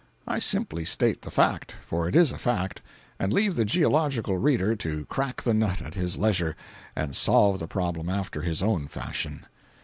I simply state the fact—for it is a fact—and leave the geological reader to crack the nut at his leisure and solve the problem after his own fashion.